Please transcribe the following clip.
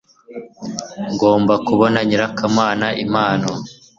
Ngomba kubona nyirakamana impano